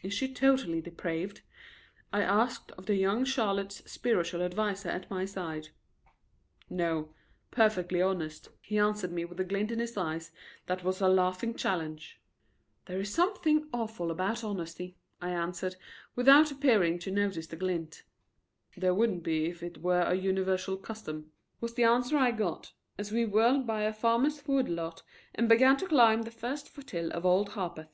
"Is she totally depraved?" I asked of the young Charlotte's spiritual adviser at my side. "No; perfectly honest," he answered me with a glint in his eyes that was a laughing challenge. "There is something awful about honesty," I answered, without appearing to notice the glint. "There wouldn't be if it were a universal custom," was the answer I got as we whirled by a farmer's wood lot and began to climb the first foothill of Old Harpeth.